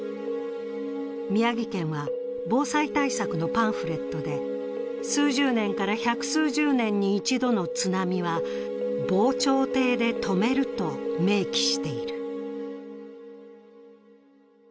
宮城県は、防災対策のパンフレットで数十年から百数十年に一度の津波は防潮堤で止めると明記している。